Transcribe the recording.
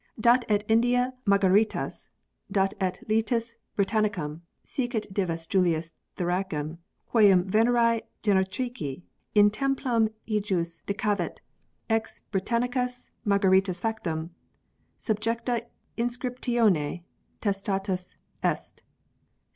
Dat et India margaritas, dat et litus Britannicum ; sicut divus Julius thoracem, quern Veneri Genetrici in templum ejus dicavit, ex Britannicis margaritis factum, subjecta inscriptione testatus est.